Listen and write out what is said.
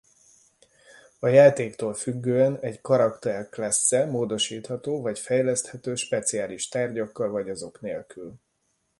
A játéktól függően egy karakter class-e módosítható vagy fejleszthető speciális tárgyakkal vagy azok nélkül.